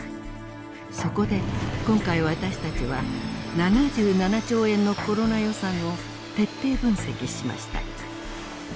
そこで今回私たちは７７兆円のコロナ予算を徹底分析しました。